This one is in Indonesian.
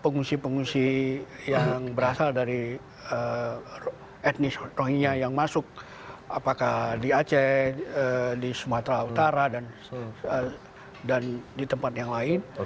pengungsi pengungsi yang berasal dari etnis rohinya yang masuk apakah di aceh di sumatera utara dan di tempat yang lain